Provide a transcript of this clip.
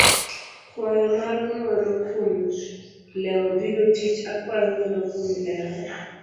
kwayo mar ng'uono kuom lewo biro tich, akwayo ng'uono kuom lewo